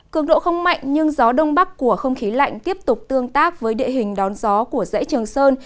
cường độ không mạnh nhưng gió đông bắc của không khí lạnh tiếp tục tương tác với địa hình đón gió của dãy trường sơn